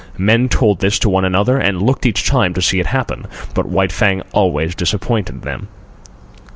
Men told this to one another, and looked each time to see it happen; but White Fang always disappointed them.